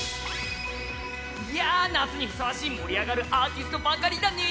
いやぁ、夏にふさわしい盛り上がるアーティストばかりだね。